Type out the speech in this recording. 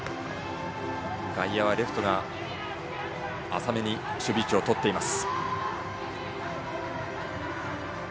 外野はレフトが浅めに守備位置をとっています。